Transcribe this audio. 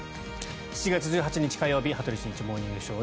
７月１８日、火曜日「羽鳥慎一モーニングショー」。